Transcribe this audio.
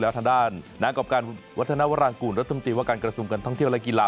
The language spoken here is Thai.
แล้วว่ารางกูลรัดตรงตีวว่าการกระทรุมกันท่องเที่ยวและกีฬา